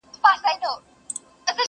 چي هم له ګل او هم له خاره سره لوبي کوي.!